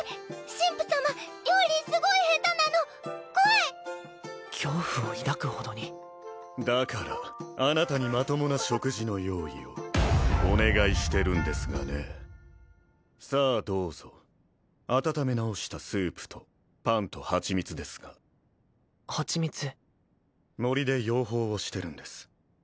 神父様料理すごいヘタなの怖い恐怖を抱くほどにだからあなたにまともな食事の用意をお願いしてるんですがねさあどうぞ温め直したスープとパンとハチミツですがハチミツ森で養蜂をしてるんです